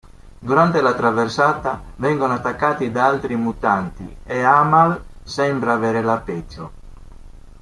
Durante la traversata, vengono attaccati da altri mutanti ed Amal sembra avere la peggio.